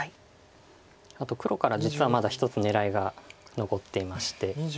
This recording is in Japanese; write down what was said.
あと黒から実はまだ一つ狙いが残っていまして。